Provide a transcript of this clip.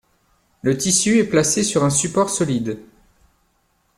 Le tissu est placé sur un support solide.